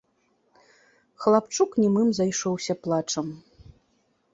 Хлапчук немым зайшоўся плачам.